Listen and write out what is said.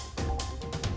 terima kasih pak